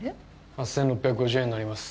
８６５０円になります